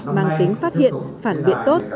mang tính phát hiện phản biện tốt